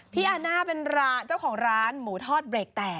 อาน่าเป็นเจ้าของร้านหมูทอดเบรกแตก